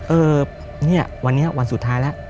เออเนี่ยวันนี้วันสุดท้ายแล้ว